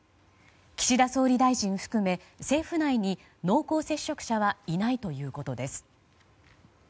岸田総理大臣含め、政府内に濃厚接触者はいないということです。